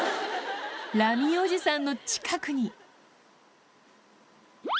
ラミおじさんの近くに。